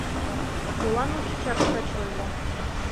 — Молан ончычак шыч ойло?